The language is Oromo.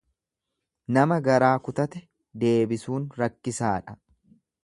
Nama garaa kutate deebisuun rakkisaadha.